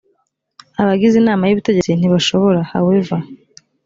abagize inama y ubutegetsi ntibashobora however